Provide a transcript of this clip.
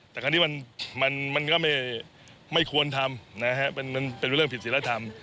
แต่คราวนี้มันก็ไม่ควรทำนะฮะมันเป็นเรื่องผิดศิลธรรม